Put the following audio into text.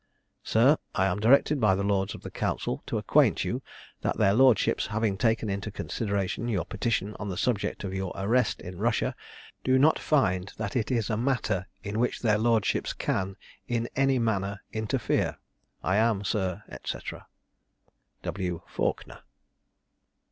"'Sir, I am directed by the lords of the council to acquaint you, that their lordships having taken into consideration your petition on the subject of your arrest in Russia, do not find that it is a matter in which their Lordships can, in any manner, interfere. 'I am, Sir, &c. 'W. FAWKNER.'